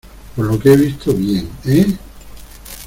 por lo que he visto bien, ¿ eh?